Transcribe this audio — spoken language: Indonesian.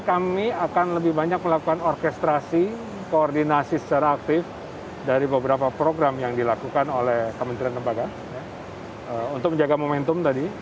kami akan lebih banyak melakukan orkestrasi koordinasi secara aktif dari beberapa program yang dilakukan oleh kementerian lembaga untuk menjaga momentum tadi